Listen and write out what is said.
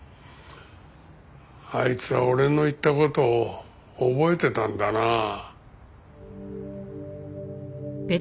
あいつは俺の言った事を覚えてたんだな。